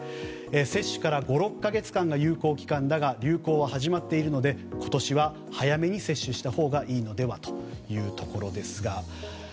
接種から５６か月間が有効期間だが流行は始まっているので今年は接種したほうがいいのではというところですが。